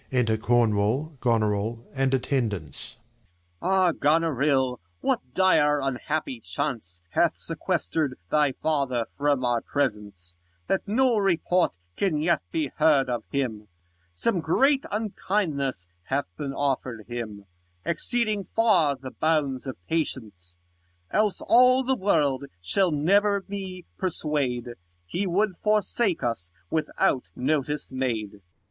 Enter Cornwall, Gonorill, and attendants. Com. Ah, Gonorill, what dire unhappy chance Hath sequestered thy father from our presence, That no report can yet be heard of him ? Some great unkindness hath been offer'd him, Exceeding far the bounds of patience : 5 Else all the world shall never me persuade, He would forsake us without notice made.